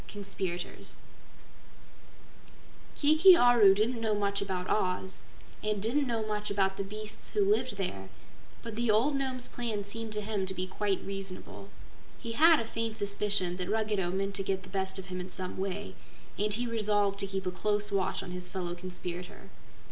Conspirators Kiki Aru didn't know much about Oz and didn't know much about the beasts who lived there, but the old Nome's plan seemed to him to be quite reasonable. He had a faint suspicion that Ruggedo meant to get the best of him in some way, and he resolved to keep a close watch on his fellow conspirator.